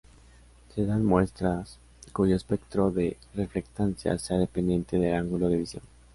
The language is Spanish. Se da en muestras cuyo espectro de reflectancia sea dependiente del ángulo de visión.